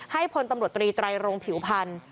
พลตำรวจตรีไตรโรงผิวพันธ์